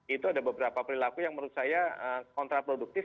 itu ada beberapa perilaku yang menurut saya kontraproduktif